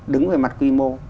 đứng về mặt quy mô